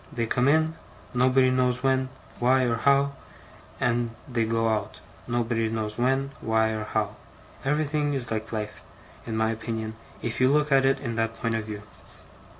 They come in, nobody knows when, why, or how; and they go out, nobody knows when, why, or how. Everything is like life, in my opinion, if you look at it in that point of view.